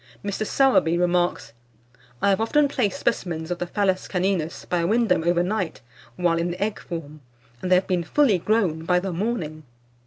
Mr. Sowerby remarks "I have often placed specimens of the Phallus caninus by a window over night, while in the egg form, and they have been fully grown by the morning."